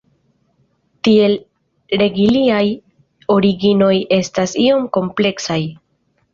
Tiel, religiaj originoj estas iom kompleksaj.